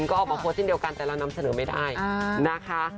ก็ออกมาโพสต์เช่นเดียวกันแต่เรานำเสนอไม่ได้นะคะ